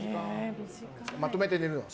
まとめて寝るので。